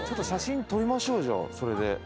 写真撮りましょうじゃあそれで。